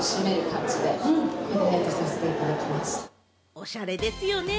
おしゃれですよね。